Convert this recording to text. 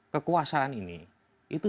kekuasaan ini itu